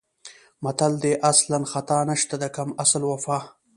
متل دی: د اصل خطا نشته د کم اصل وفا.